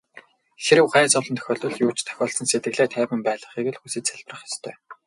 Хэрэв гай зовлон тохиолдвол юу ч тохиолдсон сэтгэлээ тайван байлгахыг л хүсэж залбирах ёстой.